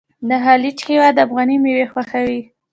د خلیج هیوادونه افغاني میوې خوښوي.